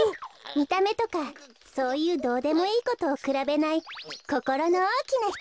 みためとかそういうどうでもいいことをくらべないこころのおおきなひとがすき。